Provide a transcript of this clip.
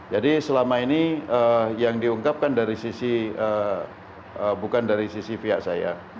jadi selama ini yang diungkapkan dari sisi bukan dari sisi via saya